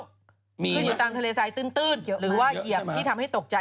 ขึ้นอยู่ตามทะเลทรายตื้นหรือว่าเหยียบที่ทำให้ตกใจ